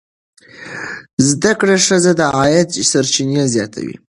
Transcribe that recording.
زده کړه ښځه د عاید سرچینې زیاتوي.